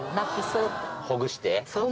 ほぐして？